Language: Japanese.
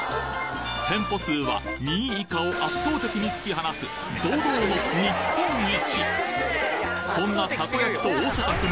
店舗数は２位以下を圧倒的に突き放す堂々の日本一！